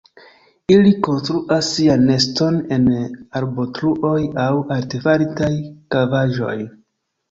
Ili konstruas sian neston en arbotruoj aŭ artefaritaj kavaĵoj.